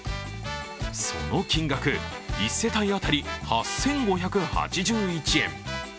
その金額、１世帯当たり８５８１円。